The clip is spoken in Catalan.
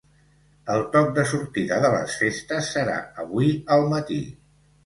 El toc de sortida de les festes serà avui al matí.